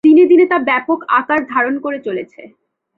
দিনে দিনে তা ব্যাপক আকার ধারণ করে চলেছে।